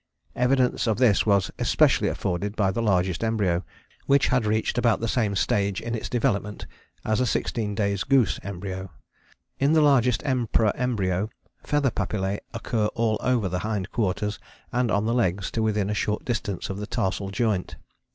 Evidence of this was especially afforded by the largest embryo, which had reached about the same stage in its development as a 16 days goose embryo. "In the largest Emperor embryo feather papillae occur all over the hind quarters and on the legs to within a short distance of the tarsal joint.